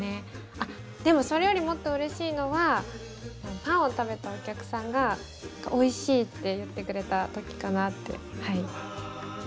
あっでもそれよりもっとうれしいのはパンを食べたお客さんがおいしいって言ってくれた時かなってはい。